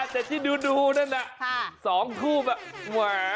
แต่ที่ดูนั่นสองคู่แบบ